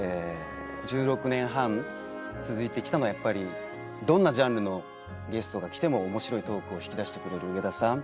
１６年半続いて来たのはやっぱりどんなジャンルのゲストが来ても面白いトークを引き出してくれる上田さん。